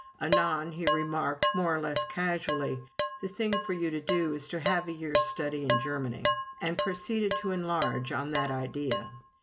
Anon he remarked, more or less casually, "The thing for you to do is to have a year's study in Germany," and proceeded to enlarge on that idea.